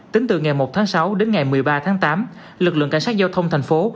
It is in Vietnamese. tính từ ngày một tháng sáu đến ngày một mươi ba tháng tám lực lượng cảnh sát giao thông thành phố